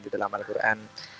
di dalam al quran